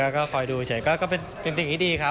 ก็คอยดูเฉยก็เป็นสิ่งที่ดีครับ